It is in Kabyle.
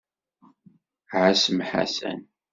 Ɛassem Ḥasan.